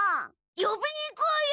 よびにいこうよ！